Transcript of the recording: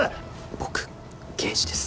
僕刑事です。